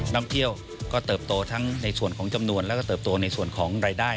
นำเที่ยวก็เติบโตทั้งในส่วนของจำนวนแล้วก็เติบโตในส่วนของรายได้